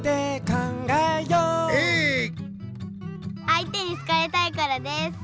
あいてに好かれたいからです。